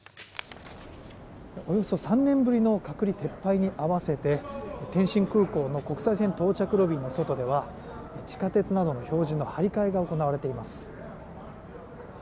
およそ３年ぶりの隔離撤廃に合わせて天津空港の国際線到着ロビーの外では地下鉄などの表示の張り替えが行われています。